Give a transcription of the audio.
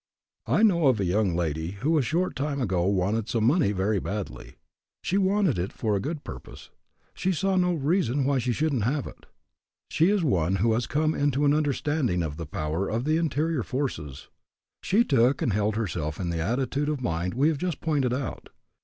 I know of a young lady who a short time ago wanted some money very badly. She wanted it for a good purpose; she saw no reason why she shouldn't have it. She is one who has come into an understanding of the power of the interior forces. She took and held herself in the attitude of mind we have just pointed out.